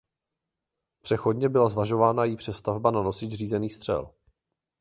Přechodně byla zvažována její přestavba na nosič řízených střel.